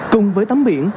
cùng với tắm biển